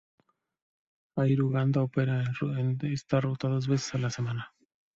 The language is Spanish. Air Uganda opera esta ruta dos veces a la semana.